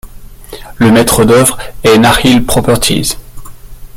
Le maître d'œuvre est Nakheel Properties.